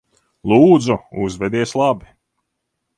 Lūdzu, uzvedies labi.